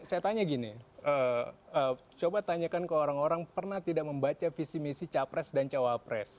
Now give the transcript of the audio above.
saya tanya gini coba tanyakan ke orang orang pernah tidak membaca visi misi capres dan cawapres